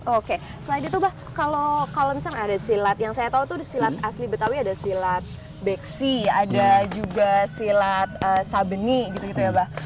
oke selain itu bah kalau misalnya ada silat yang saya tahu tuh silat asli betawi ada silat beksi ada juga silat sabeni gitu gitu ya bah